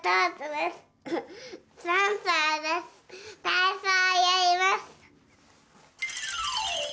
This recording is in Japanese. たいそうやります。